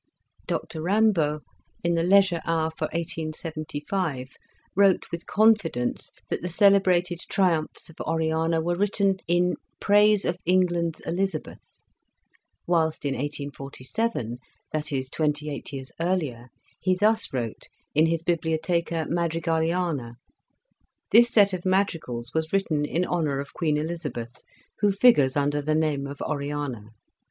Dr Rimbault, in the Leisure Hour for 1875, wrote with confidence that the cele brated '' Triumphs of Oriana " were written in "praise of England's Elizabeth"; whilst in 1847, that is twenty eight years earlier, he thus wrote in his " Bibliotheca Madrigaliana ":" This set of madrigals was written in honour of Queen Elizabeth, who figures under the name of Oriana.